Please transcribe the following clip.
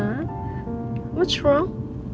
apa yang salah